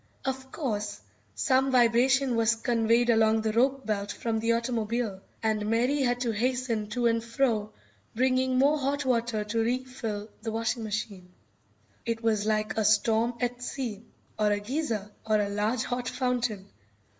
Of course, some vibration was conveyed along the rope belt from the automobile, and Mary had to hasten to and fro bringing more hot water to refill the washing machine. It was like a storm at sea, or a geyser, or a large hot fountain.